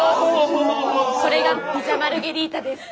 それがピザ・マルゲリータです。